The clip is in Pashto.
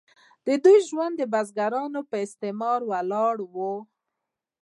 د دوی ژوند د بزګرانو په استثمار ولاړ و.